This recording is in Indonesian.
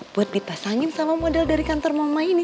buat dipasangin sama model dari kantor mama ini